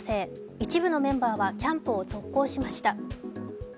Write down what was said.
一部のメンバーはキャンプを続行しました。